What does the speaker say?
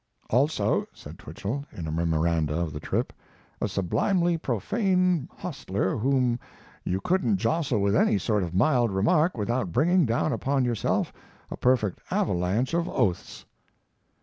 "Also," says Twichell, in a memoranda of the trip, "a sublimely profane hostler whom you couldn't jostle with any sort of mild remark without bringing down upon yourself a perfect avalanche of oaths."